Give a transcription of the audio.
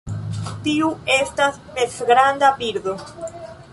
Tiu estas mezgranda birdo.